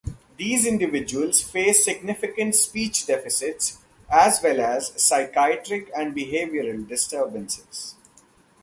These individuals face significant speech deficits as well as psychiatric and behavioral disturbances.